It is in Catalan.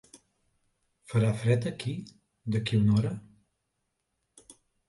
Farà fred aquí d'aquí a una hora?